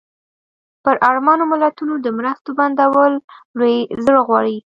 پر اړمنو ملتونو د مرستو بندول لوی زړه غواړي.